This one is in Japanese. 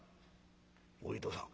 お糸さん